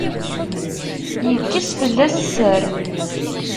Yekkes fell-as sser.